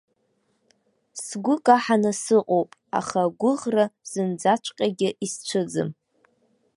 Сгәы каҳаны сыҟоуп, аха агәыӷра зынӡаҵәҟьагьы исцәыӡым.